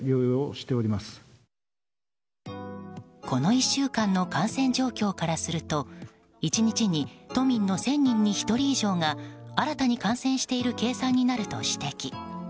この１週間の感染状況からすると１日に都民の１０００人に１人以上が新たに感染している計算になると指摘。